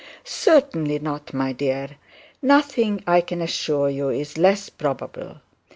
'Certainly not, my dear. Nothing I can assure you is less probable.